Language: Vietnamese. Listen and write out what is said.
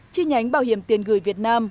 chi nhánh bảo hiểm tiền gửi việt nam